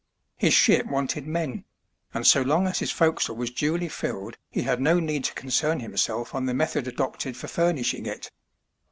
His ship wanted men; and so long as his forecastle was duly filled he had no need to concern himself on the method adopted for furnishing it.